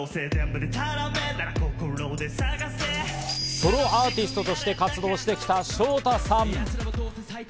ソロアーティストとして活動してきたショウタさん。